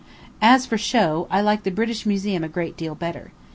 As for the show, I like the British Museum a great deal better.